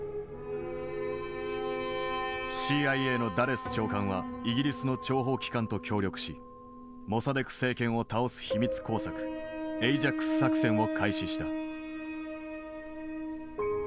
ＣＩＡのダレス長官はイギリスの諜報機関と協力しモサデク政権を倒す秘密工作エイジャックス作戦を開始した。